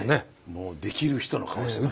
もうできる人の顔をしてました。